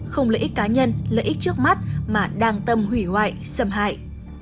không lợi ích cá nhân lợi ích trước mắt mà đang tâm hủy hoại xâm hại